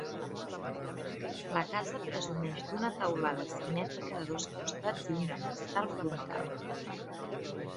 La casa presumeix d'una teulada simètrica de dos costats i un finestral frontal.